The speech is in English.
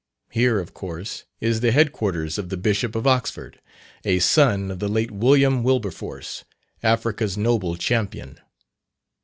Here, of course, is the head quarters of the Bishop of Oxford, a son of the late William Wilberforce, Africa's noble champion.